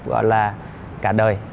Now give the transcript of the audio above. gọi là cả đời